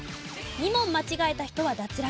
２問間違えた人は脱落。